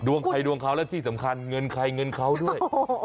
ใครดวงเขาและที่สำคัญเงินใครเงินเขาด้วย